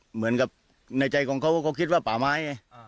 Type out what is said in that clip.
เหมือนกับในใจของเขาก็คิดว่าป่าไม้ไง